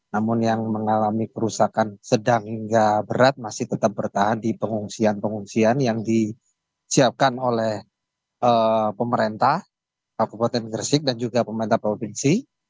namun yang mengalami kerusakan sedang hingga berat masih tetap bertahan di pengungsian pengungsian yang disiapkan oleh pemerintah kabupaten gresik dan juga pemerintah provinsi